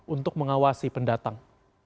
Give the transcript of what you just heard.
untuk mengawasi pendatang